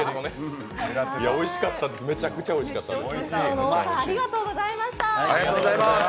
めちゃくちゃおいしかったです。